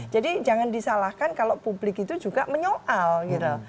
jadi jangan disalahkan kalau publik itu juga menyoal gitu